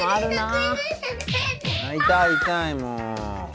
痛い痛いもう。